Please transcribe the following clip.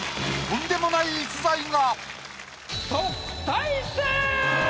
とんでもない逸材が！